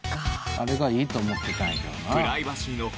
あれがいいと思ってたんやけどな。